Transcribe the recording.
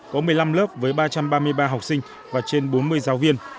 có một mươi năm lớp với ba trăm ba mươi ba học sinh và trên bốn mươi giáo viên